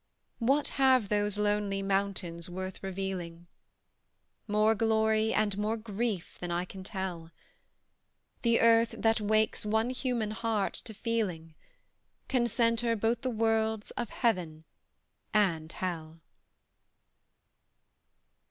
What have those lonely mountains worth revealing? More glory and more grief than I can tell: The earth that wakes one human heart to feeling Can centre both the worlds of Heaven and Hell.